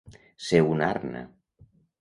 Ser una arna.